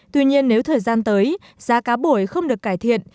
tuy nhiên nếu thời gian tới giá cá bổi không được cải thiện